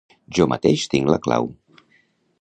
Jo mateix tinc la clau.